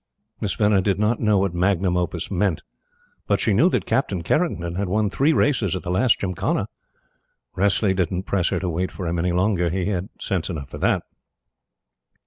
Miss Venner did not know what magnum opus meant; but she knew that Captain Kerrington had won three races at the last Gymkhana. Wressley didn't press her to wait for him any longer. He had sense enough for that.